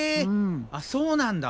あっそうなんだ。